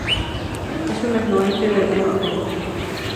Es un afluente del río Purús.